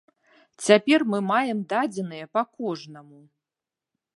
Цяпер мы маем дадзеныя па кожнаму.